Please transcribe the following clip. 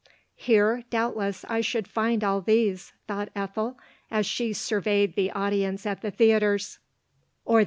"Here, doubtless, I should find all these," thought Ethel, as she surveyed the audience at the theatres, or the LODORE.